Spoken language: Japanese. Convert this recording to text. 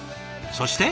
そして。